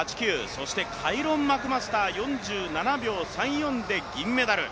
そしてカイロン・マクマスター４７秒３４で銀メダル。